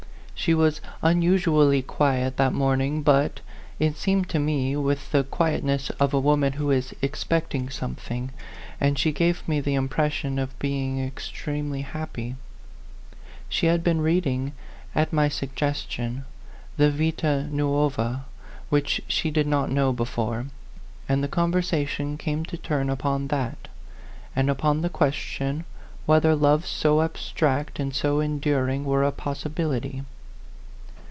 She was unusu ally quiet that morning; but, it seemed to me, with the quietness of a woman who is expecting something, and she gave me the impression of being extremely happy. She had been reading, at my suggestion, the " Vita Nuova," which she did not know be fore, and the conversation came to turn upon that, and upon the question whether love so abstract and so enduring were a possibility.